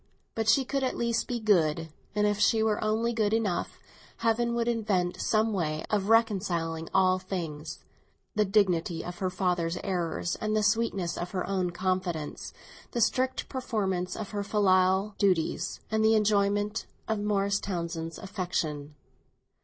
But she could at least be good, and if she were only good enough, Heaven would invent some way of reconciling all things—the dignity of her father's errors and the sweetness of her own confidence, the strict performance of her filial duties and the enjoyment of Morris Townsend's affection.